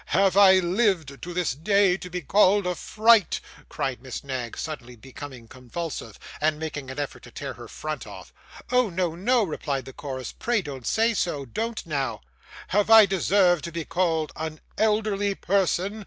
'Have I lived to this day to be called a fright!' cried Miss Knag, suddenly becoming convulsive, and making an effort to tear her front off. 'Oh no, no,' replied the chorus, 'pray don't say so; don't now!' 'Have I deserved to be called an elderly person?